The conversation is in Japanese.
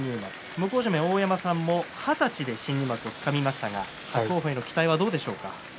向正面の大山さんも二十歳で新入幕をつかみましたが伯桜鵬への期待はどうでしょうか。